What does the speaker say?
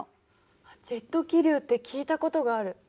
ジェット気流って聞いたことがある。